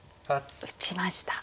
打ちました。